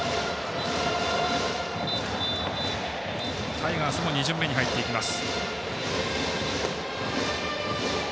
タイガースも２巡目に入っていきます。